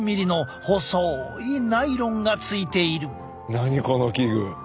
何この器具。